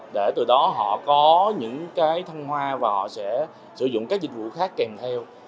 để từ đó họ có những cái thăng hoa và họ sẽ sử dụng các dịch vụ khác kèm theo